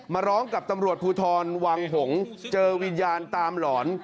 มาร้องกับตำรวจภูทรวังหงษ์เจอวิญญาณตามหลอน